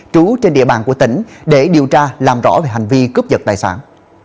trú trên địa bàn của tỉnh để điều tra làm rõ về hành vi cướp giật tài sản